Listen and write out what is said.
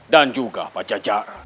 dan juga paman amuk maruguh